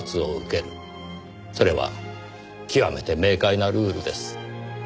それは極めて明快なルールです。